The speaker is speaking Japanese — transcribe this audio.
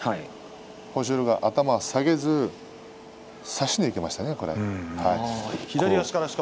豊昇龍が頭下げずに差していきましたね。